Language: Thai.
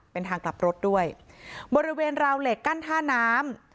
เป็นทางกลับรถด้วยบริเวณราวเหล็กกั้นท่าน้ำ